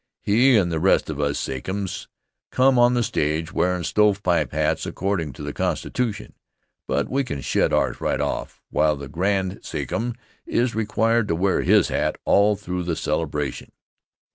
He and the rest of us Sachems come on the stage wearin' stovepipe hats, accordin' to the constitution, but we can shed ours right off, while the Grand Sachem is required to wear his hat all through the celebration.